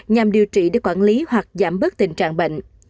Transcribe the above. nhằm điều trị để quản lý hoặc giảm bớt tình trạng bệnh